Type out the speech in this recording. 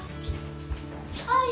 はい。